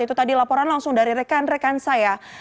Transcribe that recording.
itu tadi laporan langsung dari rekan rekan saya